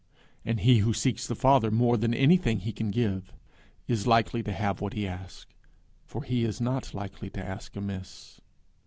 And he who seeks the Father more than anything he can give, is likely to have what he asks, for he is not likely to ask amiss.